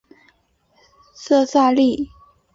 色萨利。